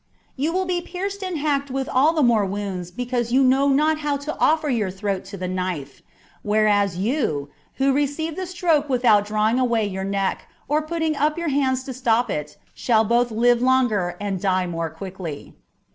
you will be pierced and hacked with all the more wounds because you know not how to offer your throat to the knife : whereas you, who receive the stroke without drawing away your neck or putting up your hands to stop it, shall both live longer and die more quickly."